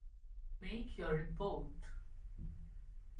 Make your report.